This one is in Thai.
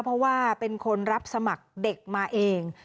เพราะว่าเป็นคนรับสมัครเด็กมาเอง